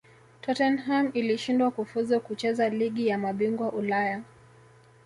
tottenham ilishindwa kufuzu kucheza ligi ya mabingwa ulaya